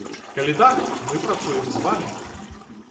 Калі так, мы працуем з вамі!